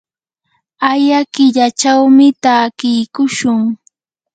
aya killachawmi takiykushun.